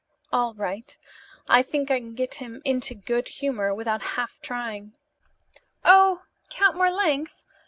"All right. I think I can get him into good humor without half trying. Oh, Count Marlanx!